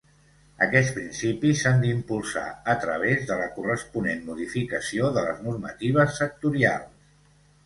Aquests principis s'han d'impulsar a través de la corresponent modificació de les normatives sectorials.